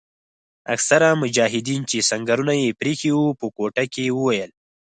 اکثره مجاهدین چې سنګرونه یې پریښي وو په کوټه کې وویل.